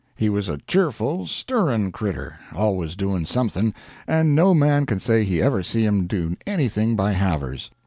He was a cheerful, stirrin' cretur, always doin' somethin', and no man can say he ever see him do anything by halvers.